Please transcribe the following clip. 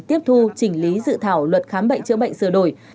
tiếp thu chỉnh lý dự thảo luật khám bệnh chữa bệnh sửa đổi